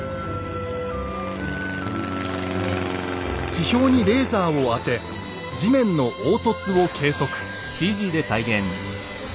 地表にレーザーを当て地面の凹凸を計測。